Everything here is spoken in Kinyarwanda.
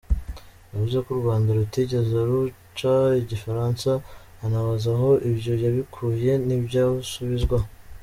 Yavuze ko u Rwanda rutigeze ruca igifaransa anabaza aho ibyo yabikuye ntibyasubizwa.